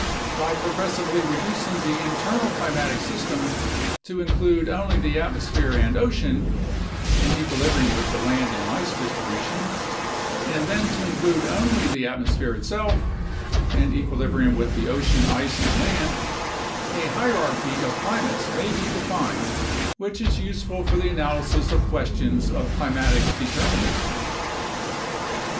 By progressively reducing the internal climatic system to include only the atmosphere and ocean (in equilibrium with the land and ice distribution ), and then to include only the atmosphere itself (in equilibrium with the ocean, ice, and land), a hierarchy of climates may be defined which is useful for the analysis of questions of climatic determinism.